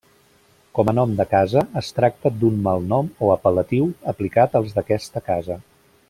Com a nom de casa es tracta d'un malnom o apel·latiu aplicat als d'aquesta casa.